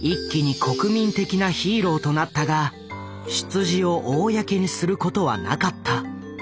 一気に国民的なヒーローとなったが出自を公にすることはなかった。